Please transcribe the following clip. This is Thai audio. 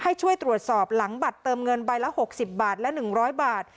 ให้ช่วยตรวจสอบหลังบัตรเติมเงินใบละ๖๐บาทและ๑๐๐บาท